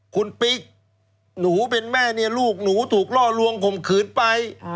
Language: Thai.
คุณปิ๊กหนูเป็นแม่เนี่ยลูกหนูถูกล่อลวงข่มขืนไป